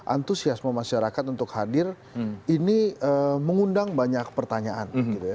antusiasme masyarakat untuk hadir ini mengundang banyak pertanyaan